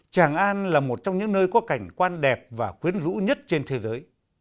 tràng an là một trong những nơi có cảnh quan đẹp và quyến rũ nhất trên thế giới